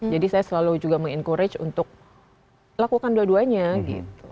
jadi saya selalu juga mengencourage untuk lakukan dua duanya gitu